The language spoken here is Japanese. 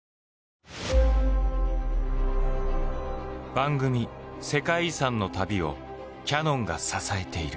番組「世界遺産」の旅をキヤノンが支えている。